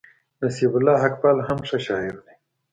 نصيب الله حقپال هم ښه شاعر دئ.